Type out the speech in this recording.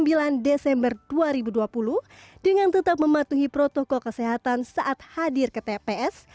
pada sembilan desember dua ribu dua puluh dengan tetap mematuhi protokol kesehatan saat hadir ke tps